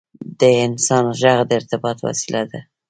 • د انسان ږغ د ارتباط وسیله ده.